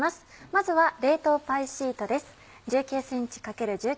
まずは冷凍パイシートです。